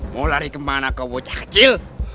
mau lari kemana kau bocah kecil